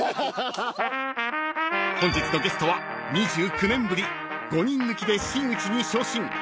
［本日のゲストは２９年ぶり５人抜きで］